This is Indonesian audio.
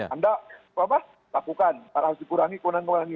anda lakukan karena harus dikurangi kunang kunang